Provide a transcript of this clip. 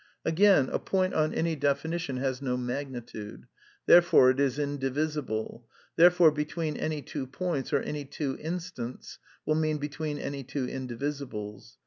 Again, a point, on any definition, has no magnitude; therefore it is indivisible ; therefore " between any two points," or any two instants, will mean between any two indivisibles.